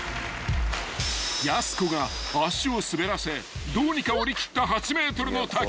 ［やす子が足を滑らせどうにかおりきった８ｍの滝］